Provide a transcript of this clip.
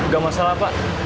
gak masalah pak